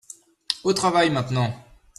Au travail maintenant !